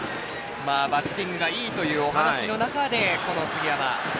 バッティングがいいというお話の中でこの杉山。